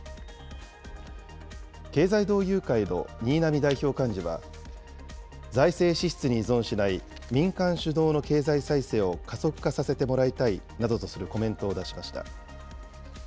経済同友会の新浪代表幹事は、財政支出に依存しない民間主導の経済再生を加速化させてもらいたいなどとするコメントを出しました。